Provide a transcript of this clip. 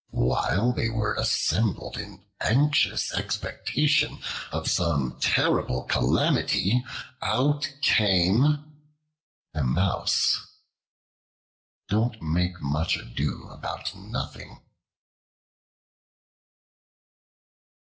While they were assembled in anxious expectation of some terrible calamity, out came a Mouse. Don't make much ado about nothing.